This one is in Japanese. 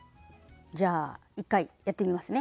じゃあ一回やってみますね。